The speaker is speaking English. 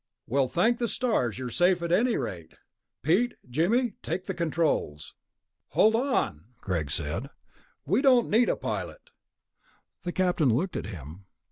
"Well, thank the stars you're safe at any rate. Pete, Jimmy, take the controls." "Hold on," Greg said. "We don't need a pilot." The Captain looked at him.